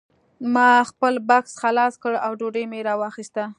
ما خپل بکس خلاص کړ او ډوډۍ مې راواخیسته